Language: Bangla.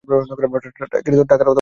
টাকার কথা বলছি আমি।